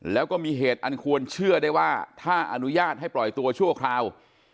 แล้วก็มีเหตุอันควรเชื่อได้ว่าถ้าอนุญาตให้ปล่อยตัวชั่วคราว